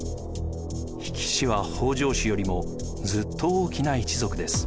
比企氏は北条氏よりもずっと大きな一族です。